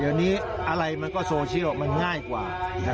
เดี๋ยวนี้อะไรมันก็โซเชียลมันง่ายกว่า